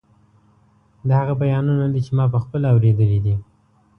دا هغه بیانونه دي چې ما پخپله اورېدلي دي.